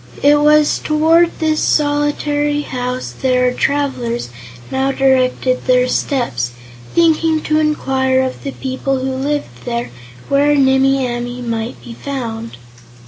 It was toward this solitary house that our travelers now directed their steps, thinking to inquire of the people who lived there where Nimmie Amee might be found.